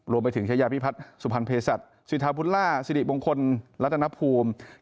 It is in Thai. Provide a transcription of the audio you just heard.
รวมไปถึงชายาพิพัฒน์สุพรรณเพศัตริย์สิทธาพุทธล่าสิริปงคลรัฐนภูมิ